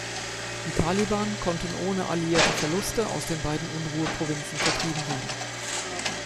Die Taliban konnten ohne alliierte Verluste aus den beiden Unruhe-Provinzen vertrieben werden.